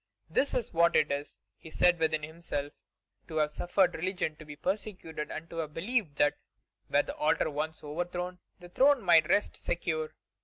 This is what it is, he said within himself, to have suffered religion to be persecuted and to have believed that, were the altar once overthrown, the throne might rest secure.